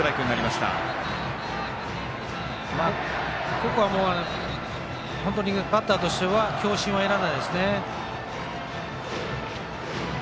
ここは本当にバッターとしては強振はいらないですね。